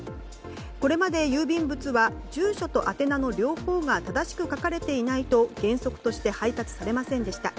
これまで郵便物は住所と宛名の両方が正しく書かれていないと原則として配達されませんでした。